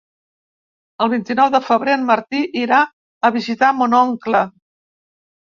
El vint-i-nou de febrer en Martí irà a visitar mon oncle.